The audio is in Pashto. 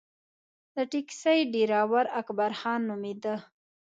د ټیکسي ډریور اکبرخان نومېده.